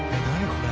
これ。